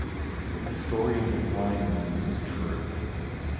The story of the flying money was true.